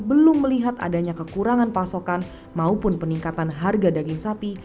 belum melihat adanya kekurangan pasokan maupun peningkatan harga daging sapi